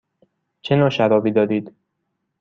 چه نوع شرابی دارید؟